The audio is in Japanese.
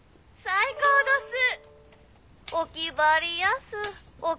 「最高どす」